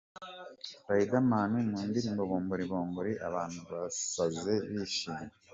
Riderman mu ndirimbo Bombori Bombori abantu basaze bishimye !.